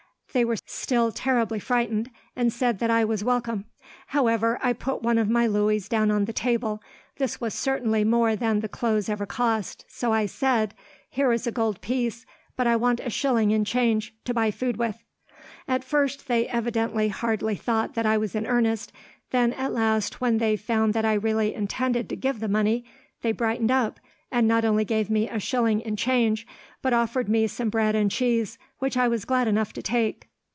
"They were still terribly frightened, and said that I was welcome. However, I put one of my louis down on the table. This was certainly more than the clothes ever cost, so I said: "'Here is a gold piece, but I want a shilling in change, to buy food with.' "At first, they evidently hardly thought that I was in earnest. Then at last, when they found that I really intended to give the money, they brightened up, and not only gave me a shilling in change, but offered me some bread and cheese, which I was glad enough to take.